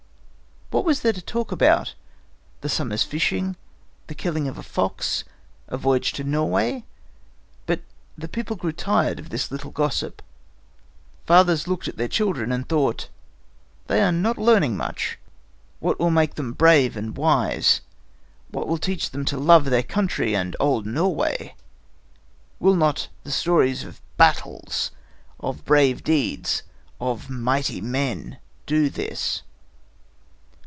What was there to talk about? The summer's fishing, the killing of a fox, a voyage to Norway. But the people grew tired of this little gossip. Fathers looked at their children and thought: "They are not learning much. What will make them brave and wise? What will teach them to love their country and old Norway? Will not the stories of battles, of brave deeds, of mighty men, do this?"